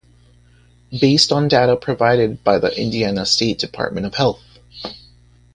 Based on data provided by the Indiana State Department of Health.